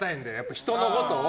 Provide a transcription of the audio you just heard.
人のことを。